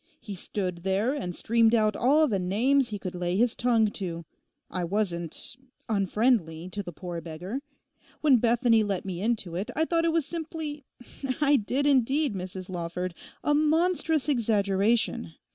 He stood there and streamed out all the names he could lay his tongue to. I wasn't—unfriendly to the poor beggar. When Bethany let me into it I thought it was simply—I did indeed, Mrs Lawford—a monstrous exaggeration.